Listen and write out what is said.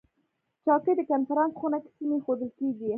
چوکۍ د کنفرانس خونه کې سمې ایښودل کېږي.